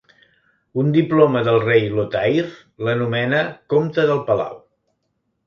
Un diploma del rei Lothair l'anomena "comte del palau".